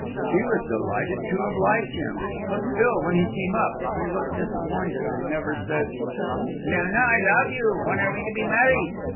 She was delighted to oblige him; but still, when he came up, he looked disappointed, and never said, "Luna, I love you; when are we to be married?"